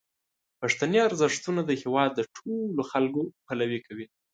پښتني ارزښتونه د هیواد د ټولو خلکو پلوي کوي.